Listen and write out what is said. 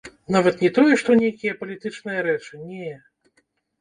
Нават не тое што нейкія палітычныя рэчы, не.